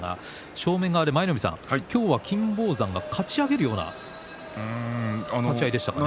正面側で舞の海さん今日は金峰山がかち上げるような立ち合いでしたかね。